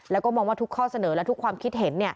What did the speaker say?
แล้วก็มองว่าทุกข้อเสนอและทุกความคิดเห็น